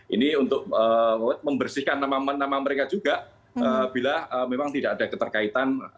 ini untuk membersihkan nama mereka juga bila memang tidak ada keterkaitan